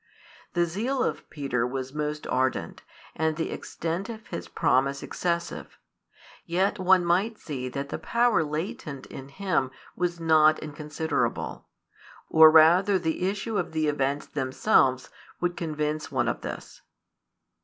The zeal of Peter was most ardent, and the extent of his promise excessive; yet one might see that the power latent in him was not inconsiderable, or rather the issue of the events themselves would convince one of this.